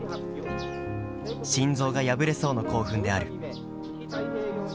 心臓が破れそうな興奮である」。